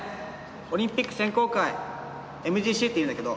オリンピック選考会ＭＧＣっていうんだけど。